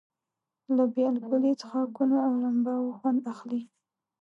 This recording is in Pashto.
له بې الکولي څښاکونو او لمباوو خوند اخلي.